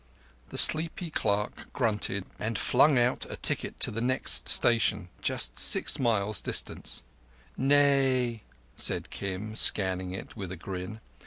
A sleepy clerk grunted and flung out a ticket to the next station, just six miles distant. "Nay," said Kim, scanning it with a grin.